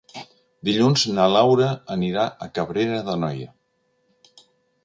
Dilluns na Laura anirà a Cabrera d'Anoia.